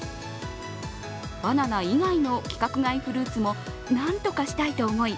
バナナ以外の規格外フルーツもなんとかしたいと思い